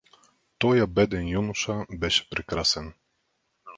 Тоя беден юноша беше прекрасен.